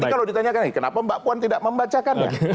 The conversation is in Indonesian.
nanti kalau ditanyakan lagi kenapa mbak puan tidak membacakannya